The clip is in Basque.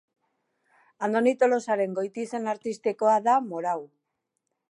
Andoni Tolosaren goitizen artistikoa da Morau.